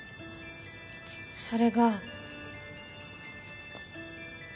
それが。